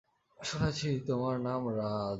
শুনেছি তোমার নাম রাজ।